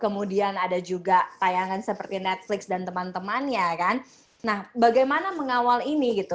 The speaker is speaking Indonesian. kemudian ada juga tayangan seperti netflix dan teman temannya kan nah bagaimana mengawal ini gitu